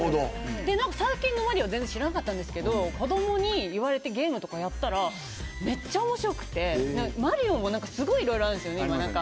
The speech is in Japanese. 最近のマリオは全然知らなかったんですけど子どもに言われてゲームとかやったらめっちゃ面白くて、マリオもいろいろあるんですよね。